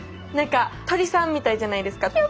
何か鳥さんみたいじゃないですか。